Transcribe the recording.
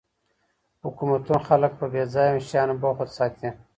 حکومتونه خلګ په بې ځایه شیانو بوخت ساتي.